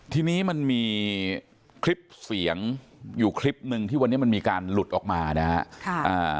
ทีนี้มันมีคลิปเสียงอยู่คลิปหนึ่งที่วันนี้มันมีการหลุดออกมานะครับ